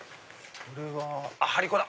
張り子だ！